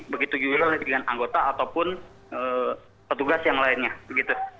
begitu juga dengan anggota ataupun petugas yang lainnya begitu